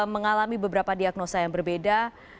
mengalami beberapa diagnosa yang berbeda